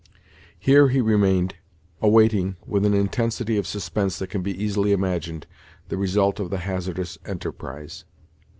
Here he remained, awaiting, with an intensity of suspense that can be easily imagined, the result of the hazardous enterprise.